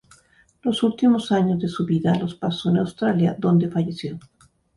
Los últimos años de su vida los pasó en Australia donde falleció.